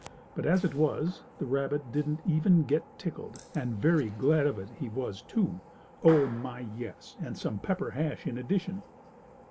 But, as it was, the rabbit didn't even get tickled, and very glad of it he was, too. Oh, my, yes, and some pepper hash in addition.